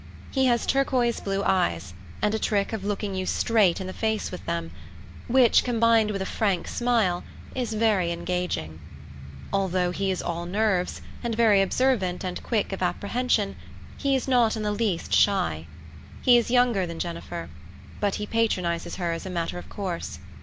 He has turquoise blue eyes, and a trick of looking you straight in the face with them, which, combined with a frank smile, is very engaging. Although he is all nerves, and very observant and quick of apprehension, he is not in the least shy. He is younger than Jennifer; but he patronizes her as a matter of course.